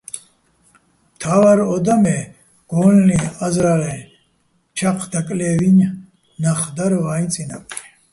მთა́ვარ ო და მე გო́ლლი, აზრა́ლეჼ, ჩაჴ დაკლე́ვი́ნი ნახ დარ ვაიჼ წინაპრი.